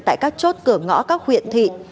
tại các chốt cửa ngõ các huyện thị